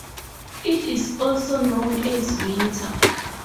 It is also known as Winter.